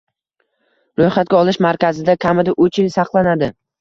ro‘yxatga olish markazida kamida uch yil saqlanadi.